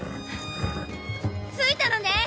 着いたのね！